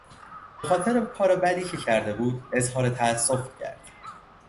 به خاطر کار بدی که کرده بود اظهار تاسف کرد.